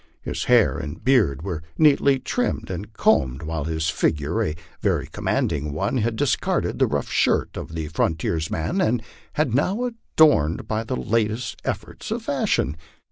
His hair and beard were neatly trimmed and combed, while his figure, a very commanding one, had discarded the rough suit of the frontiersman, and was now adorned by the latest efforts of fashion.